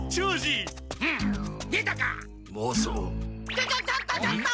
ちょちょちょっとちょっと！